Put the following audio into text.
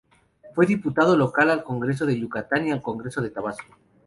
Fue diputado local al Congreso de Yucatán y al Congreso de Tabasco.